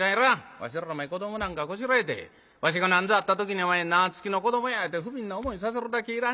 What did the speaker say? わしらお前子どもなんかこしらえてわしが何ぞあった時にお前縄付きの子どもやいうて不憫な思いさせるだけいらん』